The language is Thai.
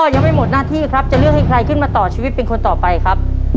อ่อยังไม่หมดหน้าที่ครับ